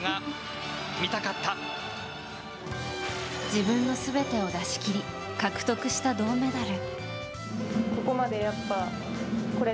自分の全てを出し切り獲得した銅メダル。